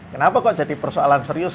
kenapa kok jadi persoalan serius